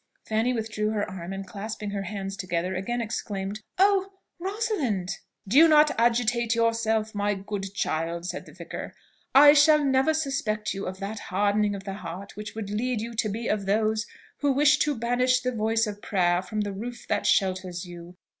Fanny withdrew her arm, and clasping her hands together, again exclaimed, "Oh! Rosalind!" "Do not agitate yourself, my good child," said the vicar; "I shall never suspect you of that hardening of the heart which would lead you to be of those who wish to banish the voice of prayer from the roof that shelters you.